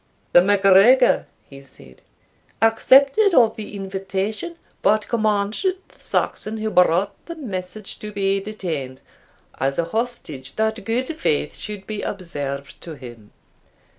"The MacGregor," he said, "accepted of the invitation, but commanded the Saxon who brought the message to be detained, as a hostage that good faith should be observed to him.